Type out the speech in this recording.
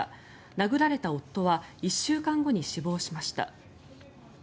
殴られた夫は１週間後に死亡しました。